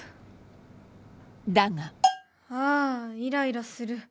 だがあーイライラする